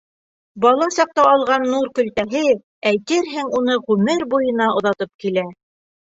Бала саҡта алған нур көлтәһе, әйтерһең, уны ғүмер буйына оҙатып килә.